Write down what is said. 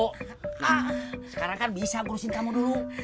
hah sekarang kan bisa ngurusin kamu dulu